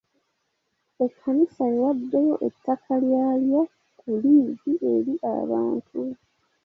Ekkanisa ewaddeyo ettaka lyayo ku liizi eri abantu.